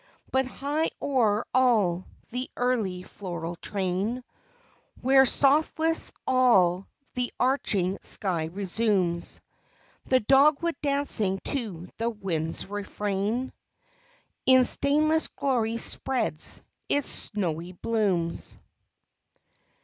But high o'er all the early floral train, Where softness all the arching sky resumes, The dogwood dancing to the winds' refrain, In stainless glory spreads its snowy blooms.